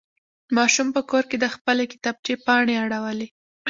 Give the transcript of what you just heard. ماشوم په کور کې د خپلې کتابچې پاڼې اړولې.